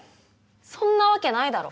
そんなわけないだろ。